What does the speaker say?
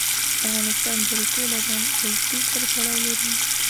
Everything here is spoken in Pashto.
د افغانستان جلکو د افغان کلتور سره تړاو لري.